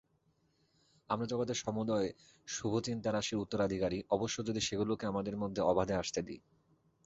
আমরা জগতের সমুদয় শুভচিন্তারাশির উত্তরাধিকারী, অবশ্য যদি সেগুলিকে আমাদের মধ্যে অবাধে আসতে দিই।